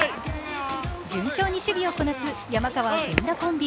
順調に守備をこなす山川・源田コンビ。